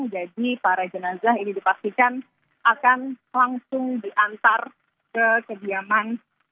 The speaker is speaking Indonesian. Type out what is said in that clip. jadi para jenazah ini dipastikan akan langsung diantar ke rsud kota depok